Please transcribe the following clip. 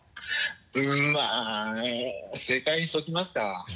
うんまぁ正解にしておきますか。